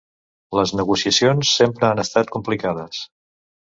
Les negociacions sempre han estat complicades.